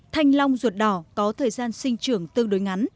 thanh long ruột đỏ có thời gian sinh trưởng tương đối ngắn